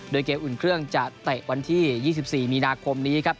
โดยเกมอุ่นเครื่องจะเตะวันที่๒๔มีนาคมนี้ครับ